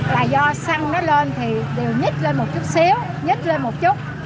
là do xăng nó lên thì đều nhít lên một chút xíu nhích lên một chút